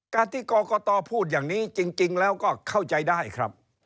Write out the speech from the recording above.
การที่กรกตพูดอย่างนี้จริงแล้วก็เข้าใจได้ครับ